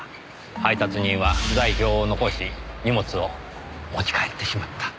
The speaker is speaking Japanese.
配達人は不在票を残し荷物を持ち帰ってしまった。